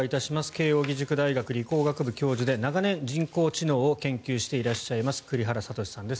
慶応義塾大学理工学部教授で長年、人工知能を研究していらっしゃいます栗原聡さんです。